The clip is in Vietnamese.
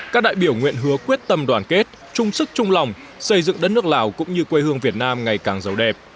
các đại biểu nguyện hứa quyết tâm đoàn kết trung sức trung lòng xây dựng đất nước lào cũng như quê hương việt nam ngày càng dấu đẹp